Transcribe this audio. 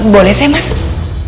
boleh saya masuk